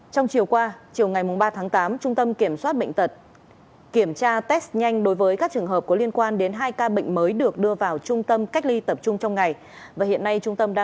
trong chiều qua chiều ngày ba tháng tám trung tâm kiểm soát bệnh tật kiểm tra test nhanh đối với các trường hợp có liên quan đến hai ca bệnh này